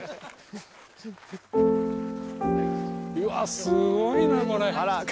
うわすごいなこれ。